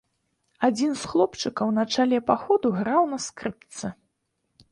Адзін з хлопчыкаў на чале паходу граў на скрыпцы.